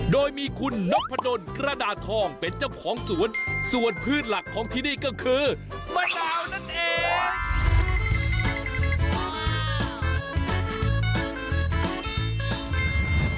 โดยมีคุณนพดลกระดาษทองเป็นเจ้าของสวนส่วนพืชหลักของที่นี่ก็คือมะนาวนั่นเอง